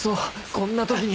こんな時に